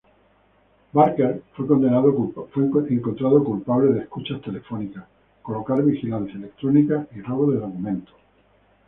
Barker fue condenado culpable de escuchas telefónicas, colocar vigilancia electrónica y robo de documentos.